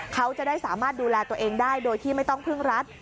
เขาจะได้สามารถดูแลตัวเองได้โดยที่ไม่ต้องพึ่งรัฐ